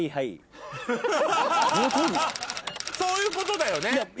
その通り。そういうことだよね？